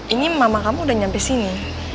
ini mama kamu udah nyampe sini